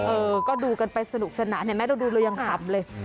เออก็ดูกันไปสนุกสนานเห็นไหมเราดูเรายังขำเลย